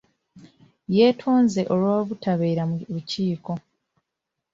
Yeetonze olw'obutabeera mu lukiiko.